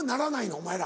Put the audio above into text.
お前ら。